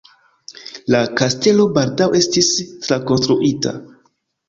La kastelo baldaŭ estis trakonstruita.